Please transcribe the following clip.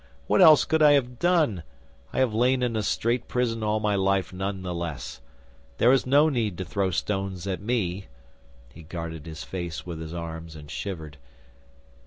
What else could I have done? I have lain in a strait prison all my life none the less. There is no need to throw stones at me." He guarded his face with his arms, and shivered.